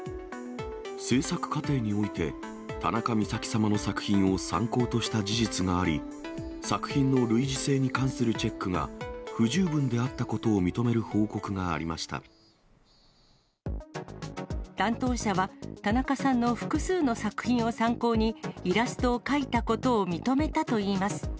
制作過程において、たなかみさき様の作品を参考とした事実があり、作品の類似性に関するチェックが不十分であったことを認める報告担当者は、たなかさんの複数の作品を参考に、イラストを描いたことを認めたといいます。